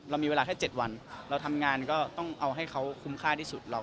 มีเวลาแค่๗วันเราทำงานก็ต้องเอาให้เขาคุ้มค่าที่สุด